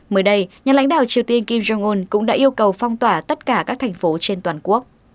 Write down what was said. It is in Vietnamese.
mới đây nhà lãnh đạo triều tiên kim jong un cũng đã yêu cầu phong tỏa tất cả các thành phố trên toàn quốc